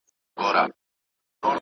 هر هېواد خپل علمي معیارونه لري.